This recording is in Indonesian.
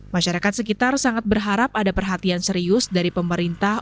masyarakat sekitar sangat berharap ada perhatian serius dari pemerintah